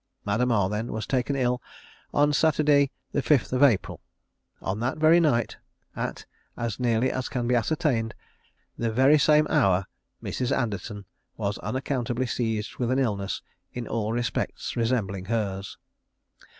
Madame R, then, was taken ill on Saturday, the 5th April. On that very night at, as nearly as can be ascertained, the very same hour, Mrs. Anderton was unaccountably seized with an illness in all respects resembling hers.